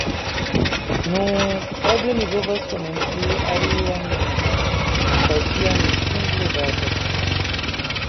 «Nu... Eble mi povas komenci alian lingvon» kaj tiam mi simple batas min